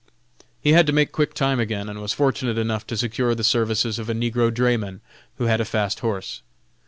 He had to make quick time again, and was fortunate enough to secure the services of a negro drayman who had a fast horse.